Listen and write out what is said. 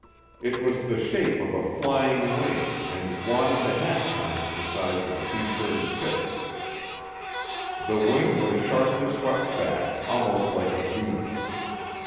It was the shape of a "flying wing" and one and a half times the size of a B 36. The wing was sharply swept back, almost like a V.